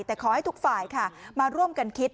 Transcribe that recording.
แต่ขอให้ทุกฝ่ายค่ะมาร่วมกันคิด